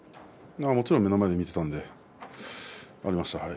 もちろん目の前で見ていたのでありました。